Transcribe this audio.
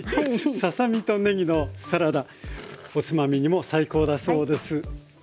ささ身とねぎのサラダおつまみにも最高だそうです。